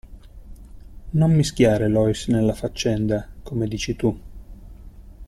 Non mischiare Lois nella faccenda, come dici tu.